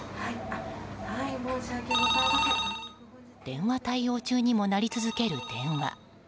電話対応中も鳴り続ける電話。